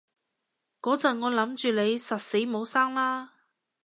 嗰陣我諗住你實死冇生喇